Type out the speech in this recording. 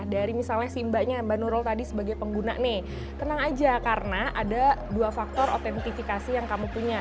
dari misalnya si mbaknya mbak nurul tadi sebagai pengguna nih tenang aja karena ada dua faktor otentifikasi yang kamu punya